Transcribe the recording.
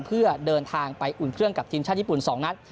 เพื่อเดินทางไปอุ่นเครื่องกับทีมชาติญี่ปุ่น๒นัด